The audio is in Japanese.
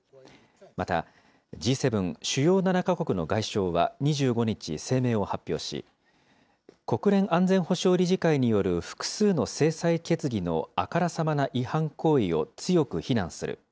また、Ｇ７・主要７か国の外相は２５日、声明を発表し、国連安全保障理事会による複数の制裁決議のあからさまな違反行為を強く非難する。